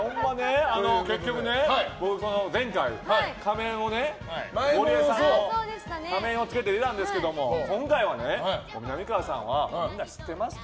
結局ね、前回ゴリエさんの仮面をつけて出たんですけども今回は、みなみかわさんはみんな知ってますと。